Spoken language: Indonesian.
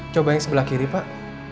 coba yang sebelah kiri pak